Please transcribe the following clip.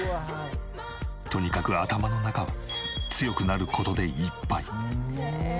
とにかく頭の中は強くなる事でいっぱい。